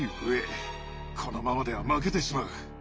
このままでは負けてしまう。